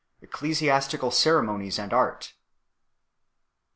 517). Ecclesiastical Ceremonies and Art.